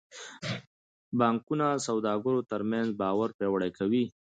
بانکونه د سوداګرو ترمنځ باور پیاوړی کوي.